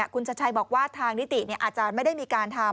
คุณชัดชัยบอกว่าทางนิติอาจารย์ไม่ได้มีการทำ